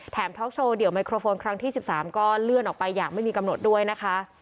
ท็อกโชว์เดี่ยวไมโครโฟนครั้งที่๑๓ก็เลื่อนออกไปอย่างไม่มีกำหนดด้วยนะคะ